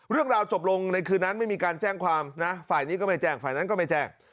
เรื่องราวจบลงในคืนนั้นไม่มีการแจ้งความนะฝ่ายนี้ก็ไม่แจ้งฝ่ายนั้นก็ไม่แจ้ง